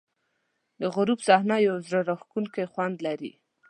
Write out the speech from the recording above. د غروب صحنه یو زړه راښکونکی خوند لري.